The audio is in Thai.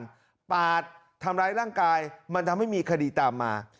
ที่ช่วยจัดการปาดทำร้ายร่างกายมันทำให้มีคดีตามมา